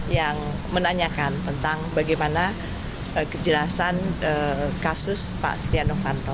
yang menanyakan tentang bagaimana kejelasan kasus pak setia novanto